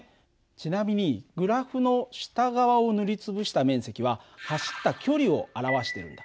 ちなみにグラフの下側を塗り潰した面積は走った距離を表してるんだ。